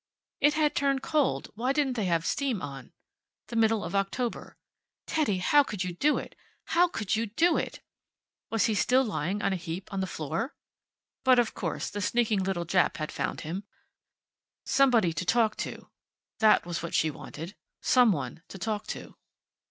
It had turned cold; why didn't they have steam on? The middle of October.... Teddy, how could you do it! How could you do it!... Was he still lying in a heap on the floor? But of course the sneaking little Jap had found him.... Somebody to talk to. That was what she wanted. Some one to talk to....